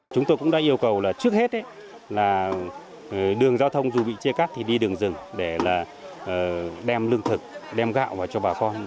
chúng tôi cũng đã yêu cầu là trước hết là đường giao thông dù bị chia cắt thì đi đường rừng để là đem lương thực đem gạo vào cho bà con